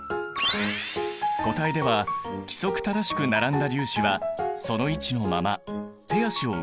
固体では規則正しく並んだ粒子はその位置のまま手足を動かしているくらい。